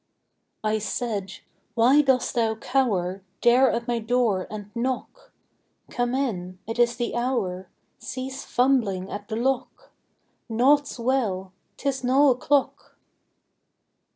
I said, "Why dost thou cower There at my door and knock? Come in! It is the hour! Cease fumbling at the lock! Naught's well! 'Tis no o'clock!"